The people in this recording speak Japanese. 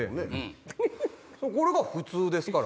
これが普通ですから。